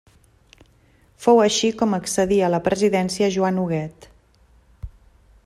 Fou així com accedí a la presidència Joan Huguet.